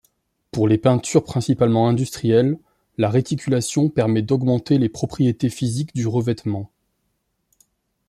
Pour les peintures principalement industrielles, la réticulation permet d'augmenter les propriétés physiques du revêtement.